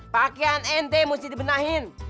pakaian ente mesti dibenahin